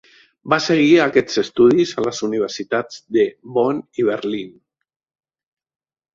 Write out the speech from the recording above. Va seguir aquests estudis a les universitats de Bonn i Berlín.